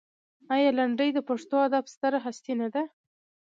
آیا لنډۍ د پښتو ادب ستره هستي نه ده؟